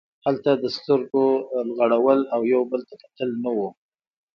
هلته د سترګو غړول او یو بل ته کتل نه وو.